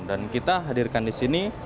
dan kita hadirkan di sini